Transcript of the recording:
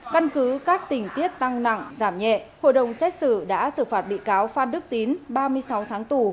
căn cứ các tình tiết tăng nặng giảm nhẹ hội đồng xét xử đã xử phạt bị cáo phan đức tín ba mươi sáu tháng tù